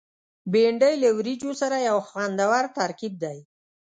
بېنډۍ له وریجو سره یو خوندور ترکیب دی